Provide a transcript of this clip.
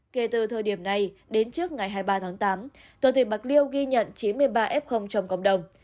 kể từ thời điểm này đến trước ngày hai mươi ba tháng tám toàn thể bạc liêu ghi nhận chín mươi ba f trong cộng đồng